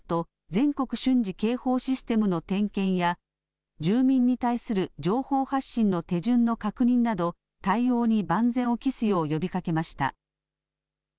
・全国瞬時警報システムの点検や、住民に対する情報発信の手順の確認など、対応に万全を期すよう呼びかけました。